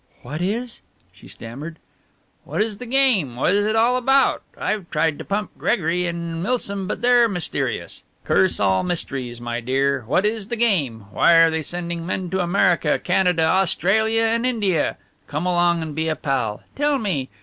"What is ?" she stammered. "What is the game? What is it all about? I've tried to pump Gregory and Milsom, but they're mysterious. Curse all mysteries, my dear. What is the game? Why are they sending men to America, Canada, Australia and India? Come along and be a pal! Tell me!